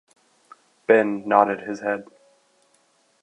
Ben nodded his head.